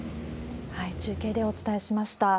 中継でお伝えしました。